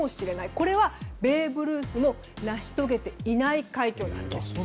これはベーブ・ルースも成し遂げていない快挙なんです。